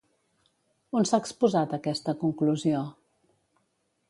On s'ha exposat aquesta conclusió?